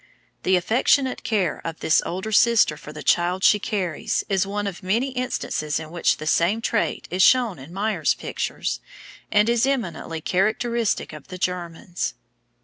The affectionate care of this older sister for the child she carries is one of many instances in which the same trait is shown in Meyer's pictures, and is eminently characteristic of the Germans.